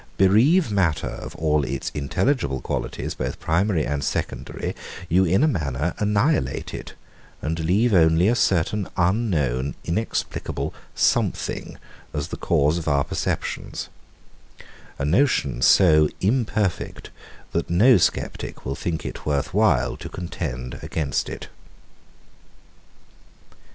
Bereave matter of all its intelligible qualities, both primary and secondary, you in a manner annihilate it, and leave only a certain unknown, inexplicable something, as the cause of our perceptions; a notion so imperfect, that no sceptic will think it worth while to contend against it.